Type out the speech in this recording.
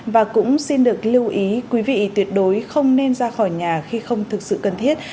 và cũng xin được lưu ý quý vị tuyệt đối không nên ra khỏi nhà khi không thực sự cần thiết